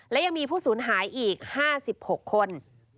และยังมีผู้สูญหายอีก๕๖คน